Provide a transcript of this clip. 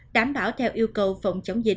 đảm bảo theo yêu cầu